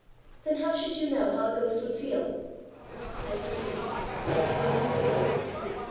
"Then how should you know how a ghost would feel?" "I see! I cannot answer you."